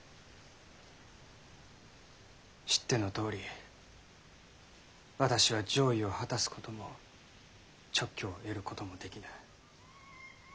知ってのとおり私は攘夷を果たすことも勅許を得ることもできぬ。